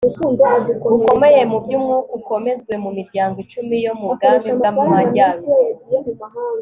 bukomeye mu byumwuka ukomezwe mu miryango icumi yo mu bwami bwamajyaruguru